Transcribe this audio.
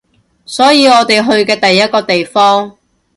所以我哋去嘅第一個地方